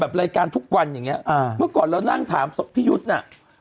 รายการทุกวันอย่างเงี้อ่าเมื่อก่อนเรานั่งถามพี่ยุทธ์น่ะ